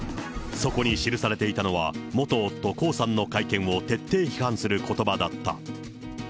そこに記されていたのは、元夫、江さんの会見を徹底批判することばだった。